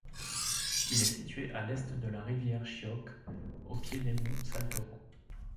Il est situé à l'est de la rivière Shyok, au pied des monts Saltoro.